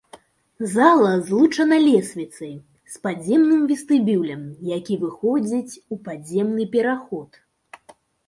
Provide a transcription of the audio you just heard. Зала злучана лесвіцай з падземным вестыбюлем, які выходзіць у падземны пераход.